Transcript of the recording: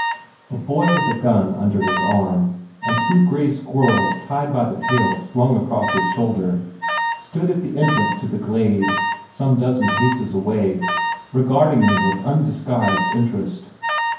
A boy with a gun under his arm, and two gray squirrels tied by the tails slung across his shoulder, stood at the entrance to the glade, some dozen paces away, regarding them with undisguised interest.